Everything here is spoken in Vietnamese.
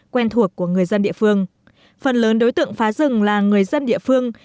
quen thuộc của người dân địa phương phần lớn đối tượng phá rừng là người dân địa phương